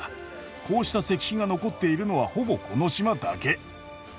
こうした石碑が残っているのはほぼこの島だけ。